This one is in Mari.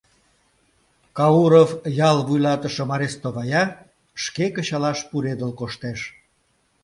Кауров ял вуйлатышым арестовая, шке кычалаш пуредыл коштеш.